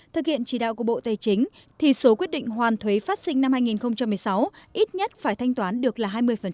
thực hiện chỉ đạo của bộ tài chính thì số quyết định hoàn thuế phát sinh năm hai nghìn một mươi sáu ít nhất phải thanh toán được là hai mươi